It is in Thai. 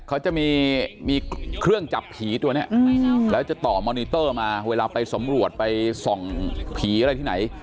เขาจะมีเครื่องจับผีตัวนี้แล้วจะต่อมอนิเตอร์มาเวลาไปสำรวจไปส่องผีอะไรที่ไหน